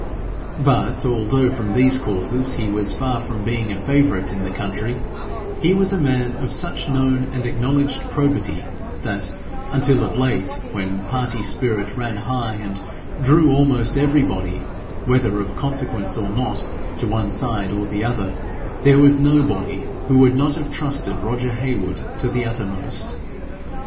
But, although from these causes he was far from being a favourite in the county, he was a man of such known and acknowledged probity that, until of late, when party spirit ran high and drew almost everybody, whether of consequence or not, to one side or the other, there was nobody who would not have trusted Roger Heywood to the uttermost.